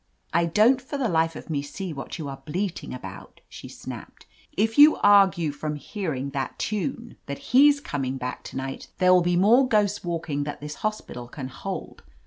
"I don't for the life of me see what you are bleating about," she snapped. "If you argue from hearing that tune that he's coming back to night, there will be more ghosts walking that this hospital can hold.